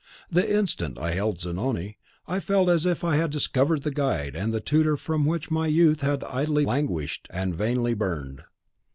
The instant I beheld Zanoni, I felt as if I had discovered the guide and the tutor for which my youth had idly languished and vainly burned."